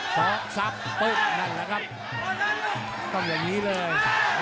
พอซับปุ๊บนั่นแหละครับต้องอย่างนี้เลย